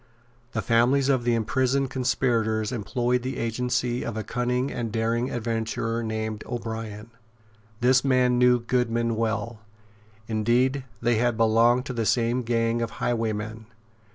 The families of the imprisoned conspirators employed the agency of a cunning and daring adventurer named O'Brien. This man knew Goodman well. Indeed they had belonged to the same gang of highwaymen.